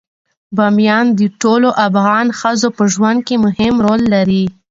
بامیان د ټولو افغان ښځو په ژوند کې مهم رول لري.